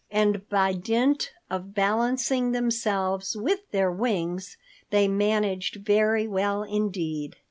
And by dint of balancing themselves with their wings, they managed very well indeed.